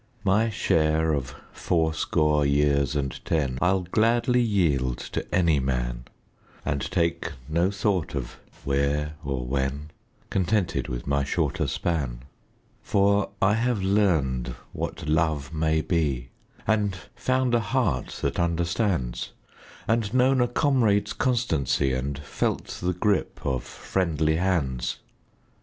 My share of fourscore years and ten I'll gladly yield to any man, And take no thought of " where " or " when," Contented with my shorter span. 32 BETTER FAR TO PASS AWAY 33 For I have learned what love may be, And found a heart that understands, And known a comrade's constancy, And felt the grip of friendly hands.